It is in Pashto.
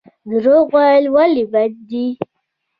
درواغ ویل ولې بد دي؟